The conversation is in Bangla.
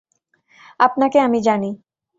আপনাকে আমি জানি।